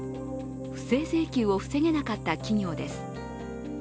不正請求を防げなかった企業です。